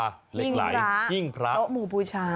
เหล็กไหลหิ้งพระโต๊ะหมู่บูชา